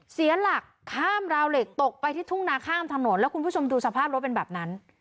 เสียหลักข้ามราวเหล็กตกไปที่ทุ่งนาข้ามถนนแล้วคุณผู้ชมดูสภาพรถเป็นแบบนั้น